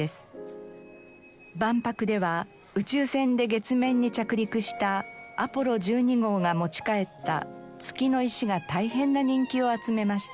万博では宇宙船で月面に着陸したアポロ１２号が持ち帰った「月の石」が大変な人気を集めました。